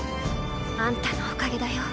あんたのおかげだよ。